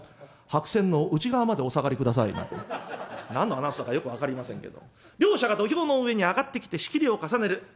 白線の内側までお下がりください」なんてね何のアナウンスだかよく分かりませんけど。両者が土俵の上に上がってきて仕切りを重ねる。